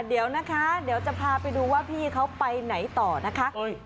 เดี๋ยวนะคะเดี๋ยวจะพาไปดูว่าพี่เขาไปไหนต่อนะคะ